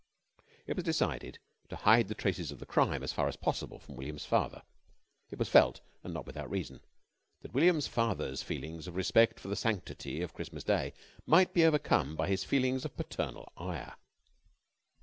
It was decided to hide the traces of the crime as far as possible from William's father. It was felt and not without reason that William's father's feelings of respect for the sanctity of Christmas Day might be overcome by his feelings of paternal ire.